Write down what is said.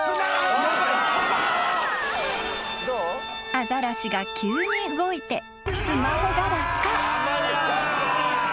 ［アザラシが急に動いてスマホが落下］